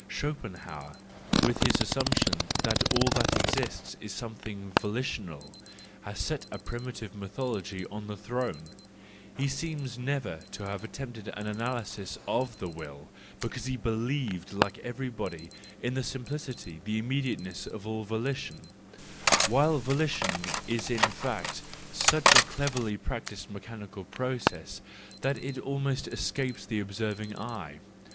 —Schopenhauer, with his assumption that all that exists is something volitional , has set a primi¬ tive mythology on the throne; he seems never to have attempted an analysis of the Will, because THE JOYFUL WISDOM, III 171 he believed like everybody in the simplicity and immediateness of all volition:—while volition is in fact such a cleverly practised mechanical process that it almost escapes the observing eye.